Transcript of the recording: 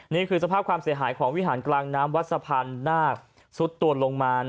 นี่คือสภาพความเสียหายของวิหารกลางน้ำวัดสะพานนาคซุดตัวลงมา